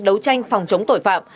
đấu tranh phòng chống tội phạm